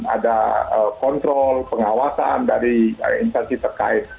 ada kontrol pengawasan dari instansi terkait